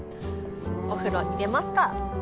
お風呂入れますか！